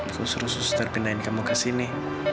aku suruh suster pindahin kamu kesini